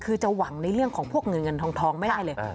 คือจะหวังในเรื่องของพวกเงินเงินทองไม่ได้เลย